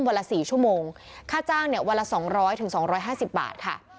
วันละสี่ชั่วโมงค่าจ้างเนี่ยวันละสองร้อยถึงสองร้อยห้าสิบบาทค่ะ